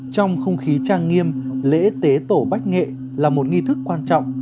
trong không khí trang nghiêm lễ tế tổ bách nghệ là một nghi thức quan trọng